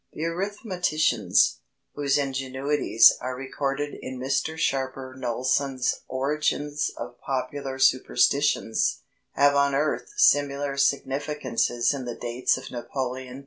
The arithmeticians, whose ingenuities are recorded in Mr Sharper Knowlson's Origins of Popular Superstitions, have unearthed similar significances in the dates of Napoleon III.